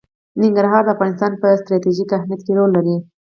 ننګرهار د افغانستان په ستراتیژیک اهمیت کې رول لري.